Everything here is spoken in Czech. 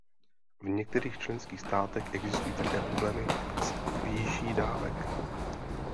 V některých členských státech existují také problémy s výší dávek.